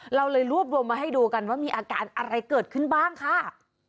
เราเลยรวบรวมมาให้ดูกันว่ามีอาการอะไรเกิดขึ้นบ้างค่ะ